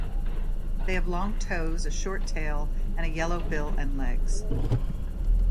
They have long toes, a short tail and a yellow bill and legs.